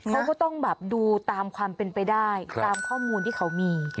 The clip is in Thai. เขาก็ต้องแบบดูตามความเป็นไปได้ตามข้อมูลที่เขามี